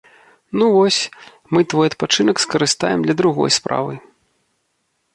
Ну вось, мы твой адпачынак скарыстаем для другой справы.